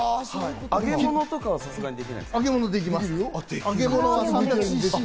揚げ物とか、さすがにできないですよね？